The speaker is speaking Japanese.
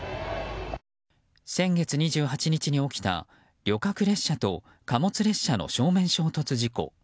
先月２８日に起きた旅客列車と貨物列車の正面衝突事故。